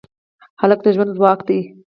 هلک د ژوند ځواک دی.